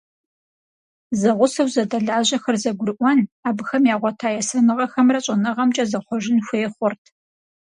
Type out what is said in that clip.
Зэгъусэу зэдэлажьэхэр зэгурыӀуэн, абыхэм ягъуэта есэныгъэхэмрэ щӀэныгъэмкӀэ зэхъуэжэн хуей хъурт.